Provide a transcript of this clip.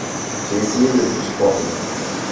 J’ai essayé de tout supporter.